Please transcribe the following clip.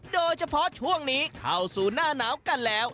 โดยเฉพาะช่วงนี้เข้าสู่หน้าหนาวกันแล้ว